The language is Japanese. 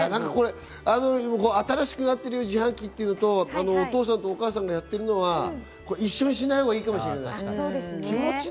新しくなってる自販機と、お父さんお母さんがやってるのは一緒にしないほうがいいかもしれないですね。